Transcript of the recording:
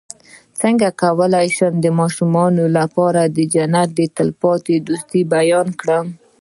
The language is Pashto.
څنګه کولی شم د ماشومانو لپاره د جنت د تل پاتې دوستۍ بیان کړم